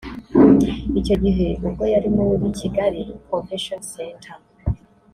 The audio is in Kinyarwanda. Icyo gihe ubwo yari muri Kigali Convention Centre